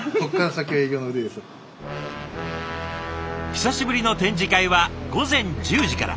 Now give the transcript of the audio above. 久しぶりの展示会は午前１０時から。